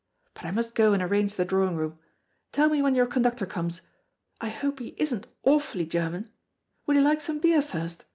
But I must go and arrange the drawing room. Tell me when your conductor comes. I hope he isn't awfully German. Would he like some beer first?